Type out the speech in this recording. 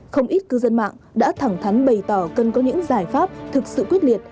không ít cư dân mạng đã thẳng thắn bày tỏ cần có những giải pháp thực sự quyết liệt